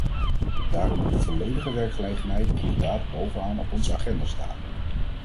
Daarom moet de volledige werkgelegenheid inderdaad bovenaan op onze agenda staan.